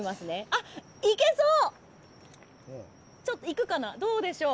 あっ、行けそう！